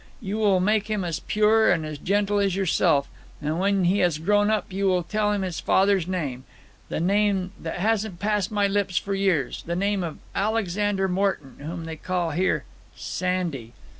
You will make him as pure, as gentle as yourself; and when he has grown up, you will tell him his father's name the name that hasn't passed my lips for years the name of Alexander Morton, whom they call here Sandy!